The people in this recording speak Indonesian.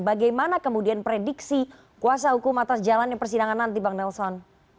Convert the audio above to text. bagaimana kemudian prediksi kuasa hukum atas jalannya persidangan nanti bang nelson